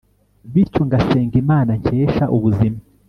bityo ngasenga imana nkesha ubuzima